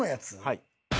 はい。